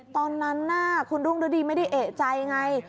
ตอนนั้นคุณรุ่งฤดีไม่ได้เอกใจไง